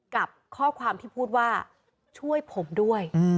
กับข้อความที่พูดว่าช่วยผมด้วย